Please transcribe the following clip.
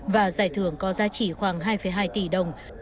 và giải thưởng có giá trị khoảng hai hai tỷ đồng